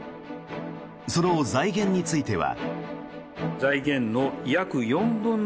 その財源については。